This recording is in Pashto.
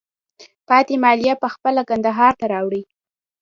پاتې مالیه په خپله کندهار ته راوړئ.